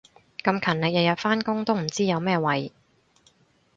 咁勤力日日返工都唔知有乜謂